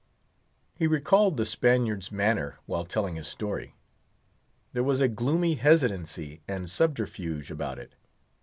He recalled the Spaniard's manner while telling his story. There was a gloomy hesitancy and subterfuge about it.